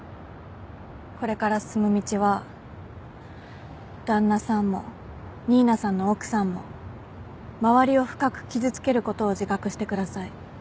これから進む道は旦那さんも新名さんの奥さんも周りを深く傷つけることを自覚してください。